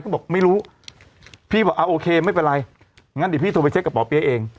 ก็บอกไม่รู้พี่บอกโอเคไม่เป็นไรงั้นเดี๋ยวพี่โทรไปเช็คกับป่อเปี๊ยเอง